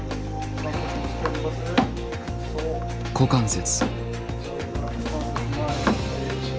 股関節。